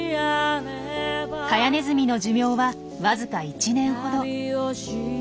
カヤネズミの寿命はわずか１年ほど。